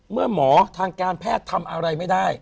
เมื่อหมอทางการแพทย์ทำอะไรไม่ได้